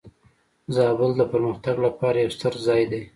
زابل د پرمختګ لپاره یو ستر ځای دی.